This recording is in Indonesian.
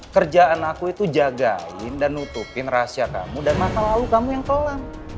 kerjaan aku itu jagain dan nutupin rahasia kamu dan masa lalu kamu yang telan